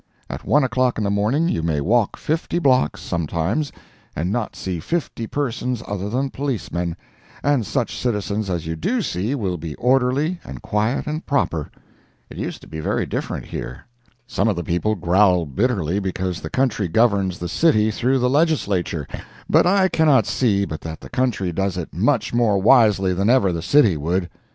At one o'clock in the morning you may walk fifty blocks, sometimes, and not see fifty persons other than policemen—and such citizens as you do see will be orderly, and quiet and proper. It used to be very different here. Some of the people growl bitterly because the country governs the city through the Legislature, but I cannot see but that the country does it much more wisely than ever the city would.